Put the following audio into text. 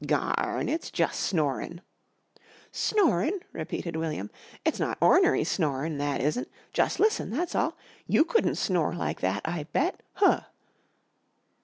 "Garn! It's jus' snorin'." "Snorin'!" repeated William. "It's not ornery snorin', that isn't. Jus' listen, that's all! You couldn't snore like that, I bet. Huh!"